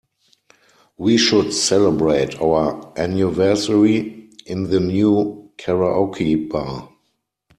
We should celebrate our anniversary in the new karaoke bar.